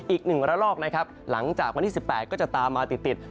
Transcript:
อีก๑ระลอกนะครับหลังจากวันที่๑๘ก็จะตามมาติด